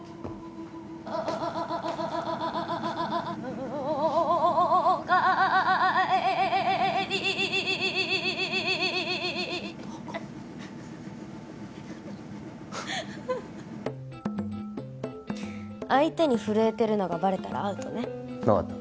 おかえり東郷相手に震えてるのがバレたらアウトね分かった